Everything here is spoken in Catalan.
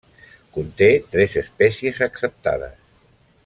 Conté tres espècies acceptades.